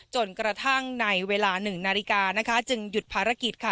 จนกระทั่งในเวลา๑นาฬิกานะคะจึงหยุดภารกิจค่ะ